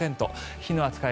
火の扱い